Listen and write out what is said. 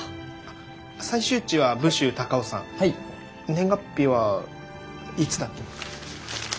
年月日はいつだっけ？